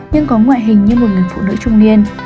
nhưng có ngoại hình như một người phụ nữ trung niên